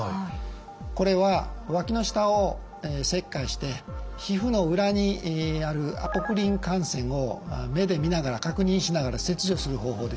これはわきの下を切開して皮膚の裏にあるアポクリン汗腺を目で見ながら確認しながら切除する方法です。